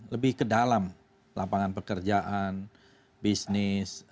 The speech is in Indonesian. lebih ke dalam lapangan pekerjaan bisnis